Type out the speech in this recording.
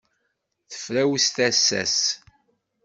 Tefrawes tasa-s.